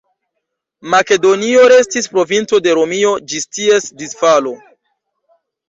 Makedonio restis provinco de Romio ĝis ties disfalo.